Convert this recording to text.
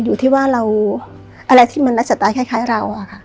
อยู่ที่ว่าเราอะไรที่มันนักสตาร์ทคล้ายเรา